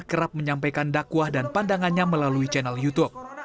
kerap menyampaikan dakwah dan pandangannya melalui channel youtube